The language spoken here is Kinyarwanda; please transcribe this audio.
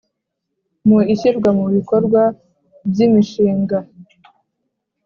mu ishyirwa mu bikorwa by’imishinga;